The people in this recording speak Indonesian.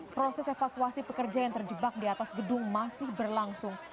proses evakuasi pekerja yang terjebak di atas gedung masih berlangsung